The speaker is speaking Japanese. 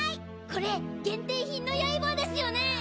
これ限定品のヤイバーですよね！